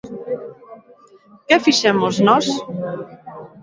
¿Que fixemos nós?